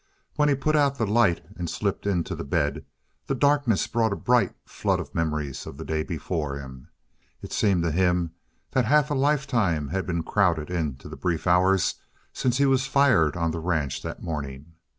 When he put out the light and slipped into the bed, the darkness brought a bright flood of memories of the day before him. It seemed to him that half a lifetime had been crowded into the brief hours since he was fired on the ranch that morning.